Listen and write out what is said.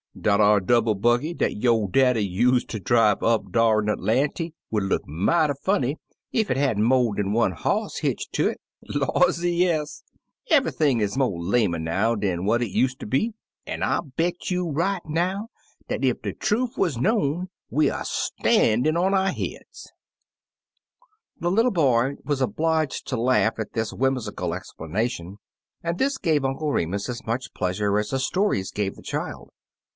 Dat ar no Brother Fox's Family Trouble double buggy dat yo' daddy use ter drive up dar in Atlanty would look mighty funny ef it had mo' dan one hoss hitched ter it. Lawsy, yes I Everything is mo' lamer now dan what it use ter be; an* I bet you right now dat ef de trufe wuz know'd we er stan'in' on our heads/' The little boy was obliged to laugh at this whimsical explanation, and this gave Uncle Remus as much pleasure as the stories gave the child.